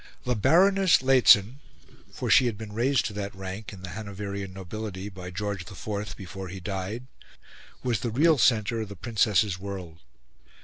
The Baroness Lehzen for she had been raised to that rank in the Hanoverian nobility by George IV before he died was the real centre of the Princess's world.